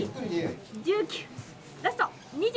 １９、ラスト、２０。